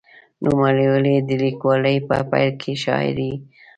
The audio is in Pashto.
نوموړي د لیکوالۍ په پیل کې شاعري هم کړې ده.